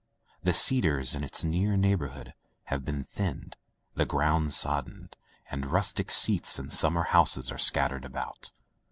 The cedars in its near neighborhood have been thinned, the ground sodded, and rustic seats and summer houses are scattered about.